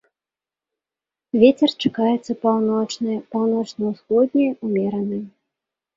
Вецер чакаецца паўночны, паўночна-ўсходні ўмераны.